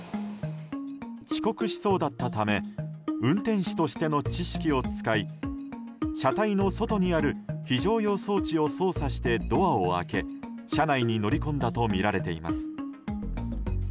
遅刻しそうだったため運転士としての知識を使い車体の外にある非常用装置を操作してドアを開け車内に乗り込んだとみられています。